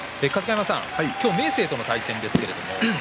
明生との対戦です。